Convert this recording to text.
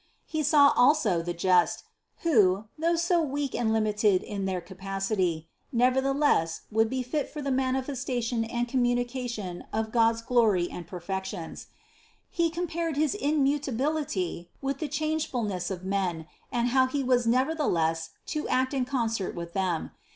He saw also the just, who, though so weak and limited in their capacity, nevertheless would be fit for the manifestation and communication of God's glory and perfections. He compared his immutability with the change fulness of men, and how He was never theless to act in concert with them.